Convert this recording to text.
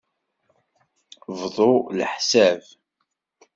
Bdu leḥsab.